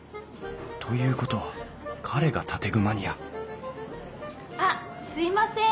という事は彼が建具マニア・あっすいません！